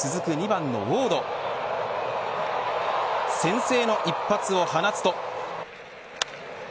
２番のウォード先制の一発を放つと。